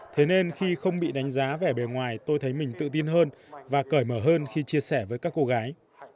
thế nên khi không bị đánh giá vẻ bề ngoài tôi thấy mình tự tin hơn và cởi mở hơn khi chia sẻ với các cô gái